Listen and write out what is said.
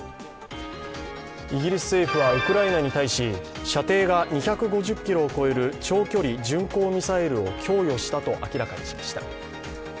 イギリス政府はウクライナに対し、射程が２５０ｋｍを超える長距離巡航ミサイルを供与したと明らかにしました。